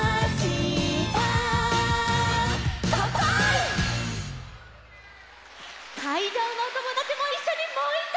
「かんぱい！」かいじょうのおともだちもいっしょにもういっかい！